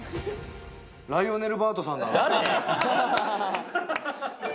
ライオネル・バートさんだ。